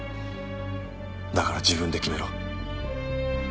だから自分で決めろ。